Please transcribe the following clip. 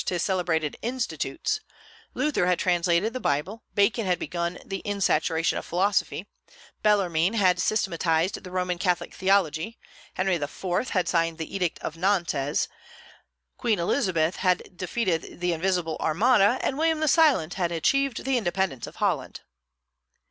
his celebrated "Institutes," Luther had translated the Bible, Bacon had begun the "Instauration of Philosophy," Bellarmine had systematized the Roman Catholic theology, Henry IV. had signed the Edict of Nantes, Queen Elizabeth had defeated the Invincible Armada, and William the Silent had achieved the independence of Holland.